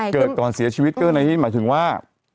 เกิดก่อนเสียชีวิตก็หมายถึงว่า